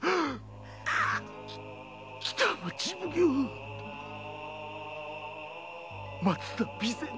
北町奉行・松田備前。